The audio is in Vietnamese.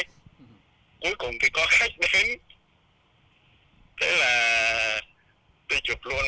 thế là tôi chụp luôn